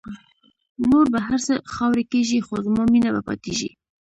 نور به هر څه خاوری کېږی خو زما مینه به پاتېږی